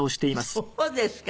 そうですか。